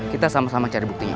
kita sama sama cari buktinya